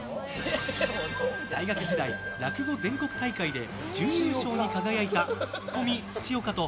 大学時代、落語全国大会で準優勝に輝いたツッコミ・土岡と